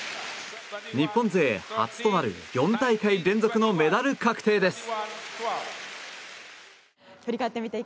日本勢初となる４大会連続のメダル確定です。